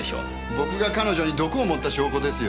僕が彼女に毒を盛った証拠ですよ。